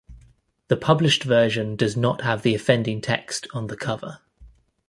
The published version does not have the offending text on the cover.